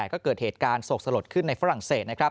ก็เกิดเหตุการณ์โศกสลดขึ้นในฝรั่งเศสนะครับ